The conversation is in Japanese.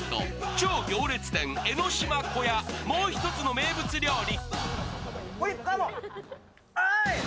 超行列店、江ノ島小屋、もう１つの名物料理。